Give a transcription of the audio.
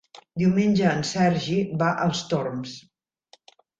Diumenge en Sergi va als Torms.